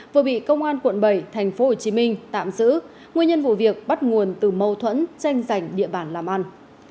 vừa bị công an quận bảy tp hcm tạm giữ nguyên nhân vụ việc bắt nguồn từ mâu thuẫn tranh giành địa bàn làm ăn